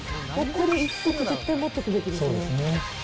これ１足絶対持っておくべきですね。